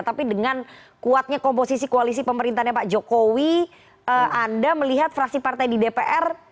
tapi dengan kuatnya komposisi koalisi pemerintahnya pak jokowi anda melihat fraksi partai di dpr